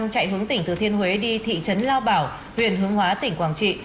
chạy hướng tỉnh thừa thiên huế đi thị trấn lao bảo huyện hướng hóa tỉnh quảng trị